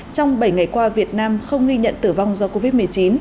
trong bảy ngày qua việt nam không ghi nhận tử vong do covid một mươi chín